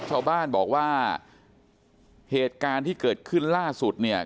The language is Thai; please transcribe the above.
ชาวบ้านบอกว่าเหตุการณ์ที่เกิดขึ้นล่าสุดเนี่ย